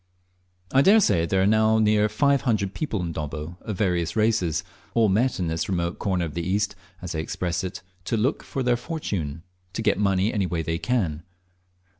I daresay there are now near five hundred people in Dobbo of various races, all met in this remote corner of the East, as they express it, "to look for their fortune;" to get money any way they can.